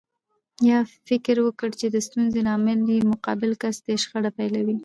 يا فکر وکړي چې د ستونزې لامل يې مقابل کس دی شخړه پيلوي.